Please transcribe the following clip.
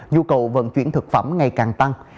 nhu cầu vận chuyển thực phẩm ngày càng tăng